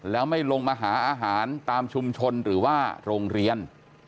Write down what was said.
แล้วไม่ลงมาหาอาหารตามชุมชนหรือว่าโรงเรียน